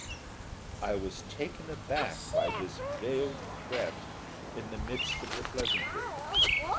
I was taken aback by this veiled threat in the midst of the pleasantry.